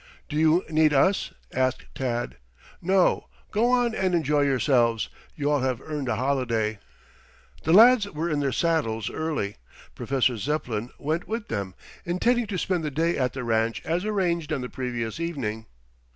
"Do you need us?" asked Tad. "No. Go on and enjoy yourselves. You all have earned a holiday." The lads were in their saddles early. Professor Zepplin went with them, intending to spend the day at the ranch as arranged on the previous evening.